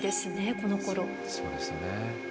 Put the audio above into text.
そうですね。